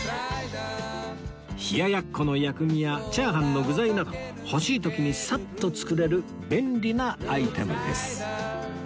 冷ややっこの薬味やチャーハンの具材など欲しい時にサッと作れる便利なアイテムです